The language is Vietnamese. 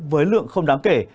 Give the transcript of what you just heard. với lượng không đáng kể